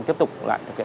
để tiếp tục lại thực hiện